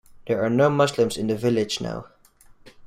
There are no Muslims in the village now.